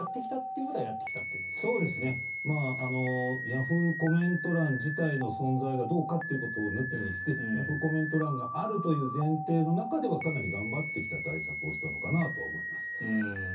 ヤフーコメント欄自体の存在がどうかということを抜きにしてヤフーコメント欄があるという前提の中ではかなり頑張ってきた対策をしていたのかなと思います。